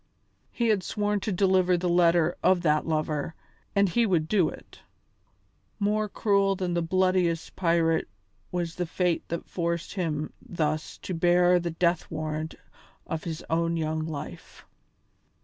He had sworn to deliver the letter of that lover, and he would do it. More cruel than the bloodiest pirate was the fate that forced him thus to bear the death warrant of his own young life.